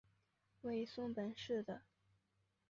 为松本市的。